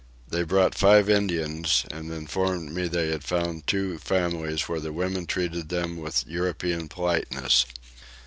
They brought five Indians and informed me that they had found two families where the women treated them with European politeness.